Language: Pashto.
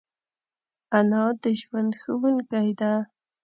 انا د ژوند ښوونکی ده